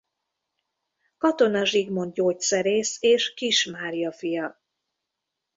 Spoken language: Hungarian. Katona Zsigmond gyógyszerész és Kis Mária fia.